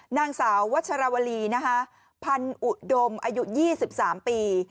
นางสาววัชรวรีพันอุดมอายุ๒๓ปี